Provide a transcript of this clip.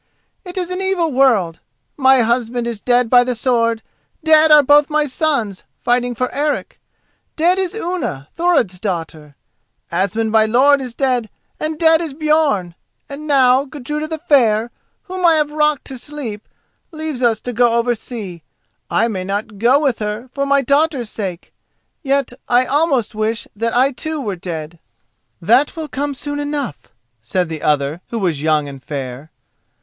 It is an evil world: my husband is dead by the sword; dead are both my sons, fighting for Eric; dead is Unna, Thorod's daughter; Asmund, my lord, is dead, and dead is Björn; and now Gudruda the Fair, whom I have rocked to sleep, leaves us to go over sea. I may not go with her, for my daughter's sake; yet I almost wish that I too were dead." "That will come soon enough," said the other, who was young and fair.